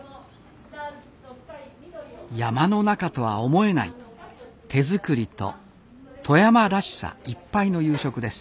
山の中とは思えない手作りと富山らしさいっぱいの夕食です。